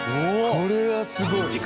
これはすごい。